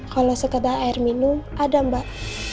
kalau sekedar air minum ada mbak